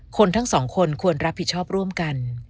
ทั้งสองคนควรรับผิดชอบร่วมกัน